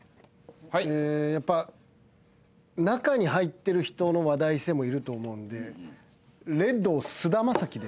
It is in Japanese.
ええやっぱ中に入ってる人の話題性もいると思うんでレッドを菅田将暉で。